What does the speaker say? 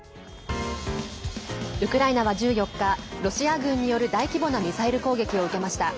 ウクライナは１４日ロシア軍による大規模なミサイル攻撃を受けました。